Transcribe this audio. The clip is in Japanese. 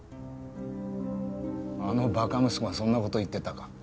あのバカ息子がそんな事言ってたか。